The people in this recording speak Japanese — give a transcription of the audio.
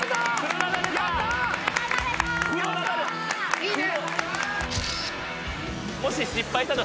いいね！